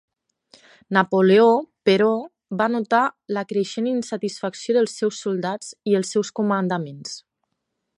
Napoleó, però, va notar la creixent insatisfacció dels seus soldats i els seus comandaments.